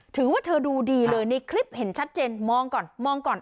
ถือว่าเธอดูดีเลยในคลิปเห็นชัดเจนมองก่อนมองก่อน